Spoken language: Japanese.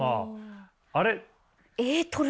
あれ？